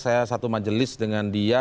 saya satu majelis dengan dia